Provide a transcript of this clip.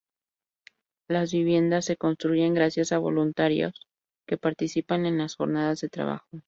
Las viviendas se construyen gracias a voluntarios que participan en las jornadas de trabajo.